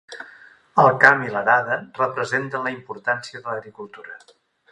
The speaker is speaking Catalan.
El camp i l'arada representen la importància de l'agricultura.